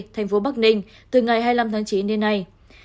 thành phố bắc ninh từ ngày hai mươi năm tháng chín đến nay